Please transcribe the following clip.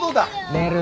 寝る。